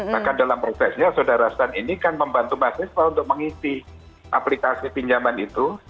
maka dalam prosesnya sodara san ini kan membantu mahasiswa untuk mengisi aplikasi pinjaman itu